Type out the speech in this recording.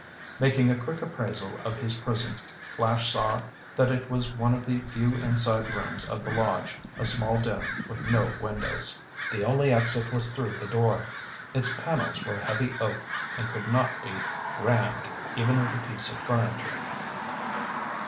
Making a quick appraisal of his prison, Flash saw that it was one of the few inside rooms of the lodge, a small den with no windows. The only exit was through the door. Its panels were heavy oak and could not be rammed even with a piece of furniture.